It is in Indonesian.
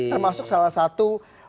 termasuk salah satu